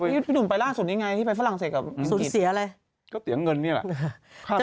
นี่หนุ่มไปล่าสุดยังไงที่ไปฝรั่งเศษกับอังกฤษ